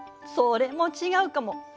それも違うかも。